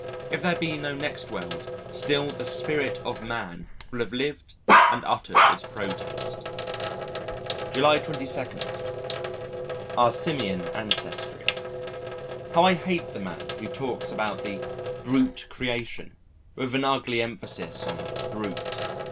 If there be no next world, still the Spirit of Man will have lived and uttered its protest. July 22. Our Simian Ancestry How I hate the man who talks about the "brute creation," with an ugly emphasis on brute.